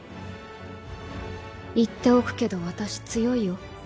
言っておくけど、私、強いよ。